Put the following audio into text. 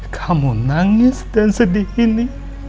kamu nangis dan sedih ini